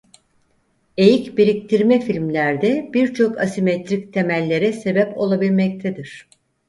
Eğik biriktirme filmlerde birçok asimetrik temellere sebep olabilmektedir.